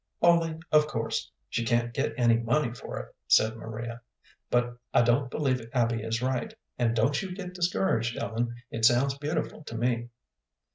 "Only, of course, she can't get any money for it," said Maria. "But I don't believe Abby is right, and don't you get discouraged, Ellen. It sounds beautiful to me."